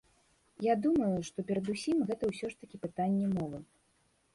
Я думаю, што перадусім гэта ўсё ж такі пытанне мовы.